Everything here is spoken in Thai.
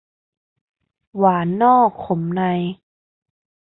หวานนอกขมใน